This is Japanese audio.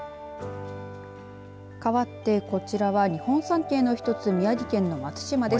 かわってこちらは日本三景の１つ宮城県の松島です。